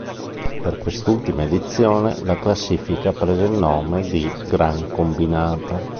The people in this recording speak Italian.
Per quest'ultima edizione la classifica prese il nome di "Gran Combinata".